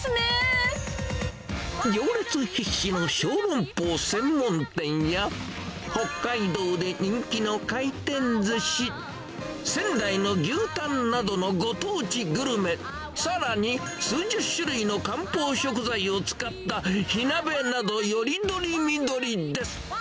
行列必至の小籠包専門店や、北海道で人気の回転ずし、仙台の牛タンなどのご当地グルメ、さらに、数十種類の漢方食材を使った火鍋など、より取り見取りです。